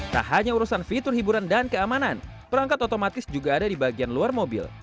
tak hanya urusan fitur hiburan dan keamanan perangkat otomatis juga ada di bagian luar mobil